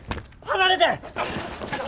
離れて！